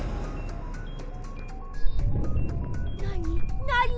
なになに？